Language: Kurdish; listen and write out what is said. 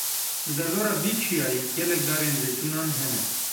Li derdora vî çiyayî gelek darên zeytûnan hene.